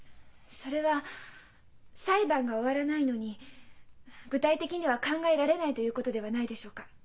それは「裁判が終わらないのに具体的には考えられない」ということではないでしょうか？